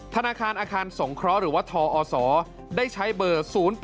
ธนาคารอาคารสงเคราะห์หรือว่าทอศได้ใช้เบอร์๐๘